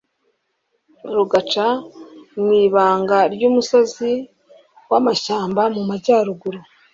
rugaca mu ibanga ry'umusozi w'amashyamba mu majyaruguru